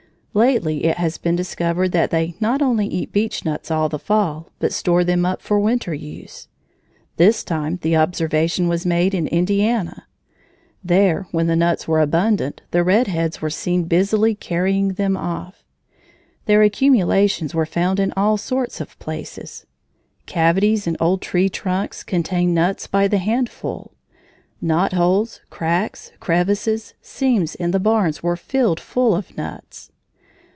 Lately it has been discovered that they not only eat beechnuts all the fall, but store them up for winter use. This time the observation was made in Indiana. There, when the nuts were abundant, the red heads were seen busily carrying them off. Their accumulations were found in all sorts of places: cavities in old tree trunks contained nuts by the handful; knot holes, cracks, crevices, seams in the barns were filled full of nuts.